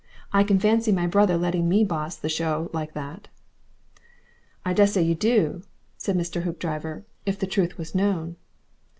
I can fancy my brother letting me boss the show like that." "I dessay you do," said Mr. Hoopdriver, "if the truth was known."